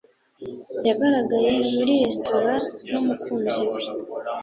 Yagaragaye muri resitora n'umukunzi we.